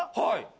はい。